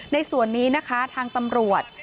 ในส่วนนี้นะคะทางตำรวจ